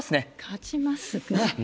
勝ちますね。